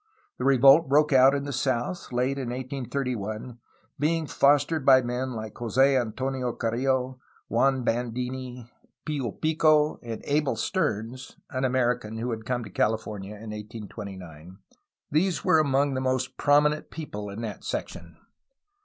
The revolt broke out in the south, late in 1831, being fostered by men like Jos6 Antonio Carrillo, Juan Bandini, Pfo Pico, and Abel Steams (an American who had come to California in 1829), who were among the most prominent people in that section.